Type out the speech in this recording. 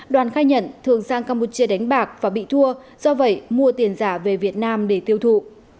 đoàn khai nhận thường sang campuchia đánh bạc và bị thua do vậy mua tiền giả về việt nam để tiêu thụ